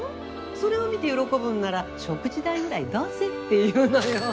それを見て喜ぶんなら食事代ぐらい出せっていうのよ。